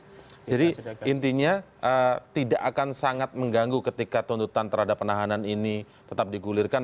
jadi intinya tidak akan sangat mengganggu ketika tuntutan terhadap penahanan ini tetap digulirkan